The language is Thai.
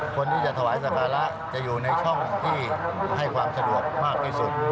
คนที่จะถวายสการะจะอยู่ในช่องที่ให้ความสะดวกมากที่สุด